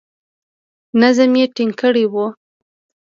نظم یې ټینګ کړی وو.